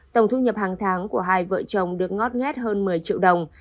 tổng thu nhập hàng tháng của hai vợ chồng được ngót nghét hơn một mươi triệu đồng